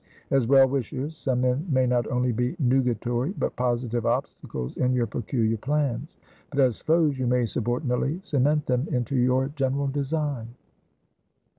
As well wishers some men may not only be nugatory but positive obstacles in your peculiar plans; but as foes you may subordinately cement them into your general design.